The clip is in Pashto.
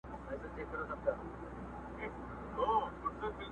ورځ په برخه د سېلۍ وي یو پر بل یې خزانونه٫